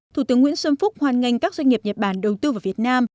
thủ tướng nguyễn xuân phúc hoàn ngành các doanh nghiệp nhật bản đầu tư vào việt nam